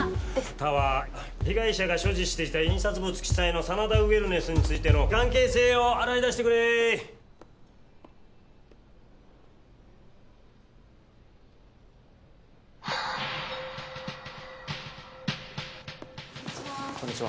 田は被害者が所持していた印刷物記載の真田ウェルネスについての関係性を洗い出してくれこんにちは